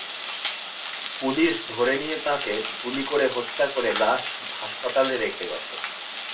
Police ধরে নিয়ে তাঁকে গুলি করে হত্যা করে লাশ হাসপাতালে রেখে গেছে।